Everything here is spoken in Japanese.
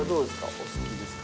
お好きですか？